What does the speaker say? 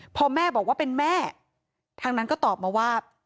พอแม่บอกว่าเป็นแม่ทางนั้นก็ตอบมาว่า